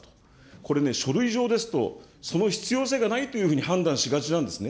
これね、書類上ですと、その必要性がないというふうに判断しがちなんですね。